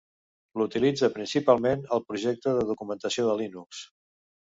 L'utilitza principalment el projecte de documentació de Linux.